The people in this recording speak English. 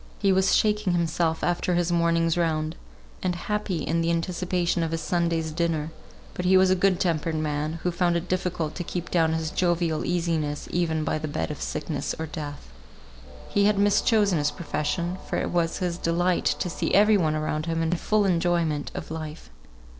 He was shaking himself after his morning's round, and happy in the anticipation of his Sunday's dinner; but he was a good tempered man, who found it difficult to keep down his jovial easiness even by the bed of sickness or death. He had mischosen his profession; for it was his delight to see every one around him in full enjoyment of life.